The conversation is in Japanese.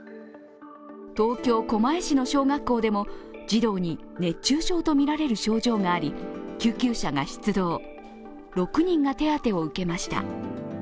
東京・狛江市の小学校でも児童に熱中症とみられる症状があり、救急車が出動、６人が手当てを受けました。